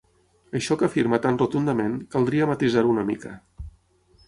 Això que afirma tan rotundament, caldria matisar-ho una mica.